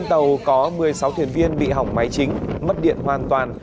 tàu có một mươi sáu thuyền viên bị hỏng máy chính mất điện hoàn toàn